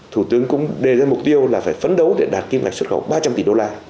thủ tướng cũng đề ra mục tiêu là phải phấn đấu để đạt kim ngạch xuất khẩu ba trăm linh tỷ đô la